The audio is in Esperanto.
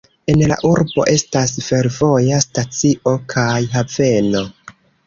En la urbo estas fervoja stacio kaj haveno.